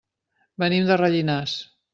Venim de Rellinars.